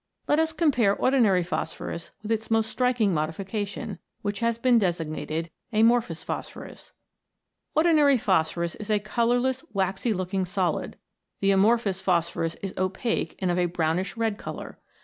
Let us compare ordinary phosphorus with its most striking modification, which has been designated amorphous phosphorus. Ordinary phosphorus is a colourless waxy looking solid ; the amorphous phosphorus is opaque, and of a brownish red colour.